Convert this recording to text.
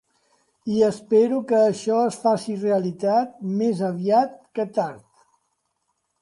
I espero que això es faci realitat més aviat que tard.